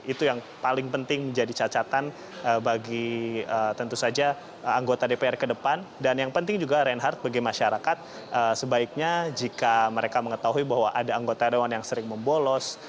itu yang paling penting menjadi cacatan bagi tentu saja anggota dpr ke depan dan yang penting juga reinhardt bagi masyarakat sebaiknya jika mereka mengetahui bahwa ada anggota dewan yang sering membolos